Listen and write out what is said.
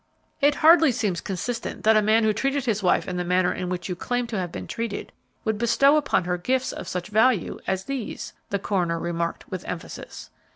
"It hardly seems consistent that a man who treated his wife in the manner in which you claim to have been treated would bestow upon her gifts of such value as these," the coroner remarked with emphasis.